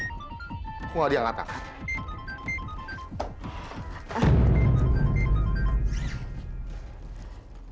aku nggak ada yang ngatakan